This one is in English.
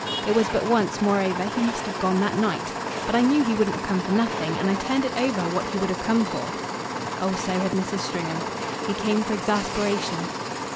It was but once, moreover he must have gone that night. But I knew he wouldn't have come for nothing, and I turned it over what he would have come for." Oh so had Mrs. Stringham. "He came for exasperation."